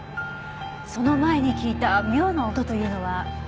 その前に聞いた妙な音というのは？